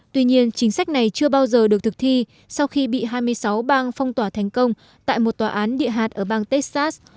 tuy nhiên chính sách này chưa bao giờ được thực thi sau khi bị hai mươi sáu bang phong tỏa thành công tại một tòa án địa hạt ở bang texas